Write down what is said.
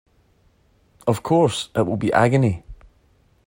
Of course, it will be agony.